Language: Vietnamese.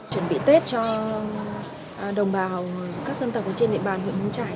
chuẩn bị tết cho đồng bào các dân tộc trên địa bàn huyện mù trải